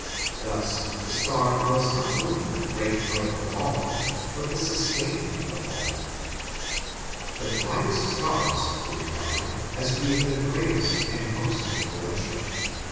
Thus the star was not only the Great Mother of all, but the sustainer of all. The brightest stars were regarded as being the greatest and most influential.